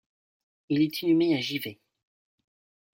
Il est inhumé à Givet.